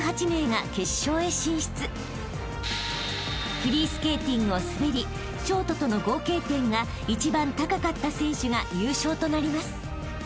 ［フリースケーティングを滑りショートとの合計点が一番高かった選手が優勝となります］